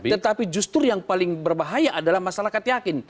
tetapi justru yang paling berbahaya adalah masalah katiakin